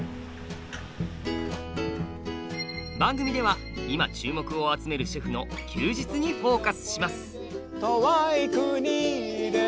番組では今注目を集めるシェフの「休日」にフォーカスします。